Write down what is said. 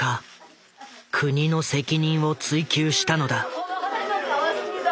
国の責任を追及したのだ。